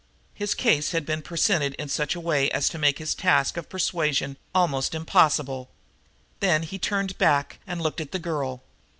His case had been presented in such a way as to make his task of persuasion almost impossible. Then he turned back and looked at the girl.